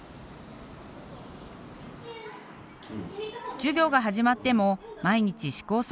授業が始まっても毎日試行錯誤の連続です。